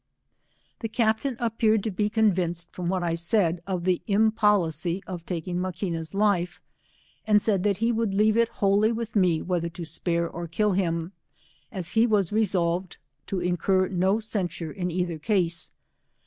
The captain appeared i& be convinced from what I said, of the impolicy of taking Maquina's life, and said that he would leave it wholly With roe whether to spare or kill him, as he was resolved to incur no censure in either case.